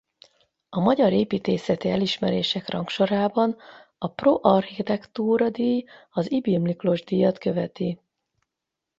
A magyar építészeti elismerések rangsorában a Pro Architectura díj az Ybl Miklós-díjat követi.